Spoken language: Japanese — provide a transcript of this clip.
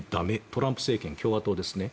トランプ政権、共和党ですね。